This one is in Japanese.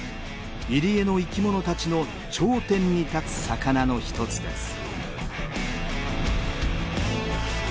入り江の生きものたちの頂点に立つ魚の一つです。